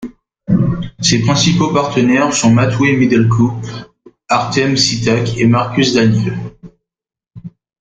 Ses principaux partenaires sont Matwé Middelkoop, Artem Sitak et Marcus Daniell.